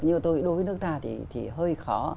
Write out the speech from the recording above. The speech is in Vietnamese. nhưng mà tôi nghĩ đối với nước ta thì hơi khó